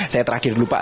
saya terakhir dulu pak